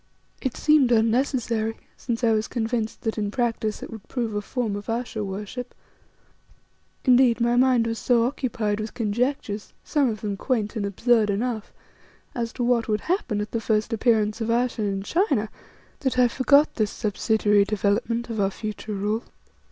It seemed unnecessary, since I was convinced that in practice it would prove a form of Ayesha worship, Indeed, my mind was so occupied with conjectures, some of them quaint and absurd enough, as to what would happen at the first appearance of Ayesha in China that I forgot this subsidiary development of our future rule.